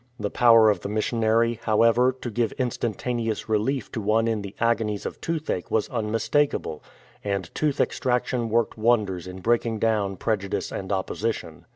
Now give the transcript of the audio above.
The power of the missionary, however, to give instan taneous relief to one in the agonies of toothache was unmistakable, and tooth extraction worked wonders in breaking down prejudice and opposition.